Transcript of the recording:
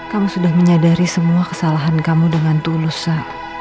kamu sudah menyadari semua kesalahan kamu dengan tulus sa